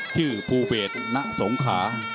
ชื่อภูเบศณสงขา